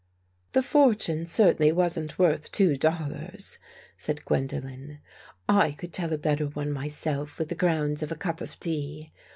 "" The fortune certainly wasn't worth two dol lars," said Gwendolen. " I could tell a better one myself with the grounds of a cup of tea.